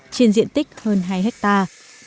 trên diện tích hơn hai hectare